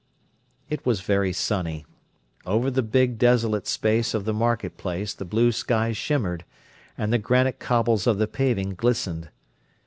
It was very sunny. Over the big desolate space of the market place the blue sky shimmered, and the granite cobbles of the paving glistened.